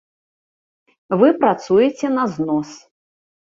Вы працуеце на знос.